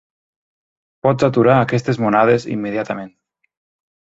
Pots aturar aquestes monades immediatament!